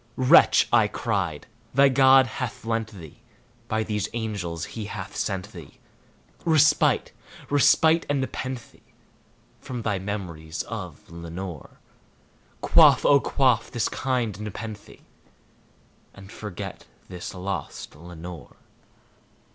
"Wretch," I cried, "thy God hath lent thee by these angels he hath sent thee Respite respite and nepenthe from thy memories of Lenore! Quaff, oh quaff this kind nepenthe, and forget this lost Lenore!"